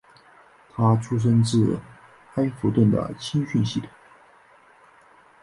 他出身自埃弗顿的青训系统。